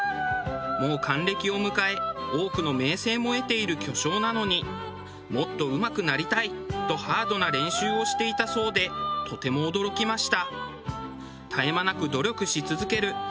もう還暦を迎え多くの名声も得ている巨匠なのにもっとうまくなりたいとハードな練習をしていたそうでとても驚きました。